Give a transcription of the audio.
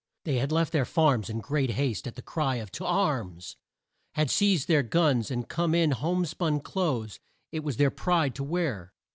They had left their farms in great haste at the cry of "To arms!" had seized their guns, and come in the home spun clothes it was their pride to wear.